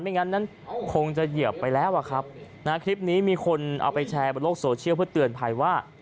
งั้นนั้นคงจะเหยียบไปแล้วอะครับนะคลิปนี้มีคนเอาไปแชร์บนโลกโซเชียลเพื่อเตือนภัยว่า